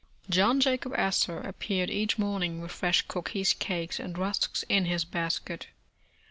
John Jacob Astor appeared each morning with fresh cookies, cakes and rusks in his basket.